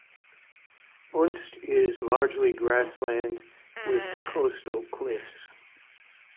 Unst is largely grassland, with coastal cliffs.